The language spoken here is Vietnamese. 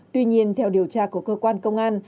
tuy nhiên theo điều tra của cơ quan công an